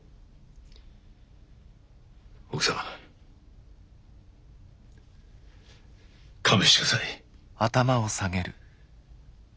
奥さん勘弁してください。